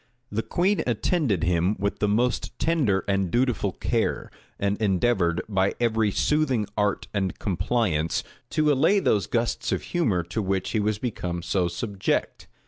The queen attended him with the most tender and dutiful care, and endeavored, by every soothing art and compliance, to allay those gusts of humor to which he was become so subject.